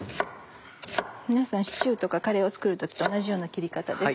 皆さんシチューとかカレーを作る時と同じような切り方です。